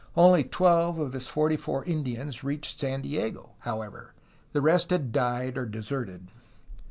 Only twelve of his forty four Indians reached San Diego, however. The rest had died or deserted.